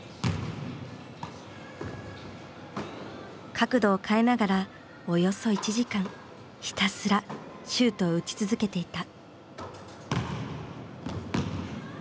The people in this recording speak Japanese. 角度を変えながらおよそ１時間ひたすらシュートを打ち続けていた。